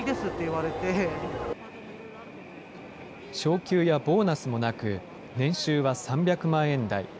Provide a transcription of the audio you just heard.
昇給やボーナスもなく、年収は３００万円台。